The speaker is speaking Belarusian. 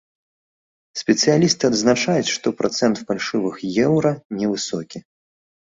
Спецыялісты адзначаюць, што працэнт фальшывых еўра не высокі.